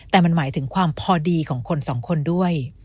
แต่มันหมายถึงความพอดีของคนสองคนด้วย